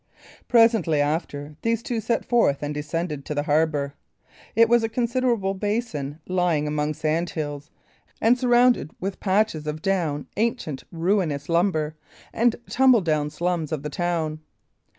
Presently after, these two set forth and descended to the harbour. It was a considerable basin, lying among sand hills, and surrounded with patches of down, ancient ruinous lumber, and tumble down slums of the town.